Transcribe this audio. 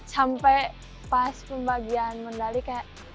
sampai pas pembagian medali kayak